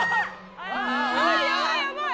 ヤバいヤバい。